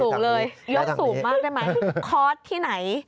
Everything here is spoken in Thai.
ยกสูงมากได้ไหมคอร์ตที่ไหน